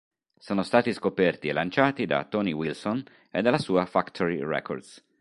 Sono stati scoperti e lanciati da Tony Wilson e dalla sua Factory Records.